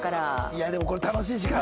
いやでもこれ楽しい時間。